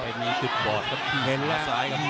อันนี้ติดบอร์ดครับเห็นแล้ว